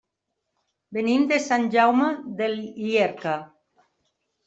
Venim de Sant Jaume de Llierca.